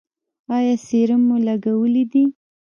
ایا سیروم مو لګولی دی؟